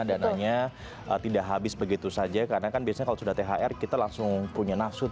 dananya tidak habis begitu saja karena kan biasanya kalau sudah thr kita langsung punya maksud